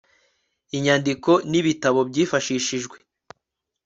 INYANDIKO N IBITABO BYIFASHISHIJWE